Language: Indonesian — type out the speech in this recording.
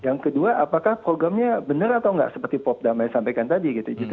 yang kedua apakah programnya benar atau enggak seperti pak udama yang sampaikan tadi gitu